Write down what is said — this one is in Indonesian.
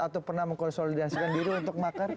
atau pernah mengkonsolidasikan diri untuk makar